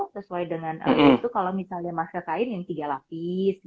sesuai dengan itu kalau misalnya masker kain yang tiga lapis